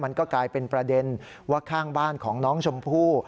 มันก็กลายเป็นประเด็นว่าข้างบ้านของน้องชมพู่